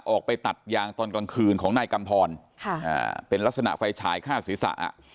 ออกไปตัดยางตอนกลางคืนของนายกำพรเป็นลักษณะไฟฉายฆ่าศีรษะ